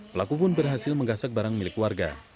pelaku pun berhasil menggasak barang milik warga